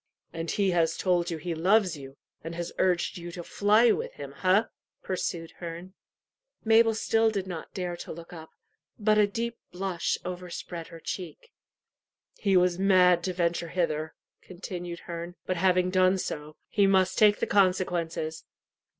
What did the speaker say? "And he has told you he loves you, and has urged you to fly with him ha?" pursued Herne. Mabel still did not dare to look up, but a deep blush overspread her cheek. "He was mad to venture hither," continued Herne; "but having done so, he must take the consequences."